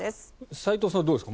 斎藤さんはどうですか？